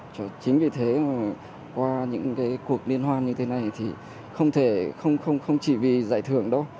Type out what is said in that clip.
chính vì thế qua những cuộc liên hoan như thế này thì không chỉ vì giải thưởng đâu